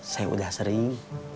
saya udah sering